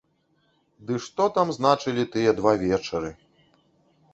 Ды што там значылі тыя два вечары!